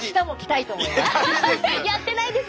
やってないです！